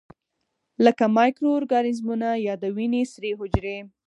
لکه مایکرو ارګانیزمونه یا د وینې سرې حجرې.